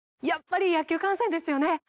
やっぱり野球観戦ですよね